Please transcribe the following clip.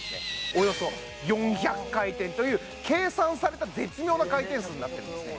およそ４００回転という計算された絶妙な回転数になってるんですね